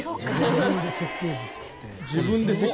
自分で設計図作って。